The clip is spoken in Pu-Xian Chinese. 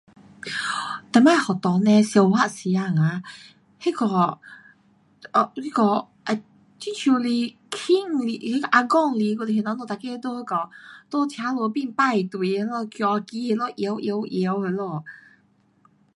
um 上次学堂嘞小学时间啊，那个，um 那个，um 很像是 king 来，还是 Agung 来，咱们每个在那个车路边排队那里，举起那里摇摇摇那里。